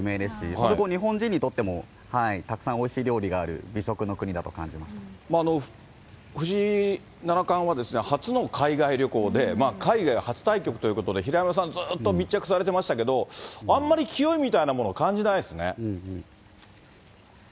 本当こう、日本人にとってもたくさんおいしい料理がある美食の国だと感じま藤井七冠はですね、初の海外旅行で、海外は初対局ということで平山さん、ずっと密着されてましたけど、あんまり気負いみたいなものを感じないですね。